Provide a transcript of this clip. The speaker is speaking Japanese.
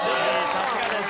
さすがです。